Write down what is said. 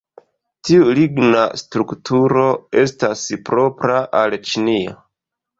Tiu ligna strukturo estas propra al Ĉinio.